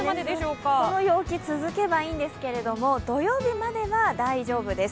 この陽気、続けばいいんですけど、土曜日までは大丈夫です。